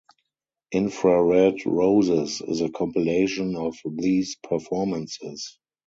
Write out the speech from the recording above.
"Infrared Roses" is a compilation of these performances.